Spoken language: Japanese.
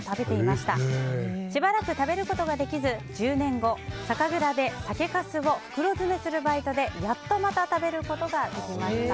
しばらく食べることができず１０年後、酒蔵で酒かすを袋詰めするバイトでやっとまた食べることができました。